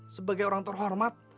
sebagai orang terhormat